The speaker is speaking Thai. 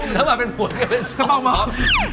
ถ้ามาเป็นหัวจะเป็นสปองบ๊อบ